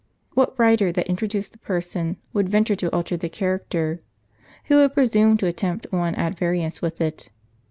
What writer that introduced the person would venture to alter the character? Who would presume to attempt one at variance with it?